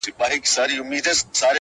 نه جوړ کړی کفن کښ پر چا ماتم وو!.